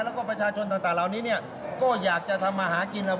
อันนี้หมายถึงเป็นดอลลาร์เนี่ยไม่ใช่บาทนะครับ